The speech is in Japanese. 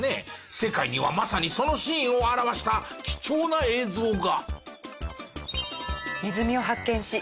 世界にはまさにそのシーンを表した貴重な映像が。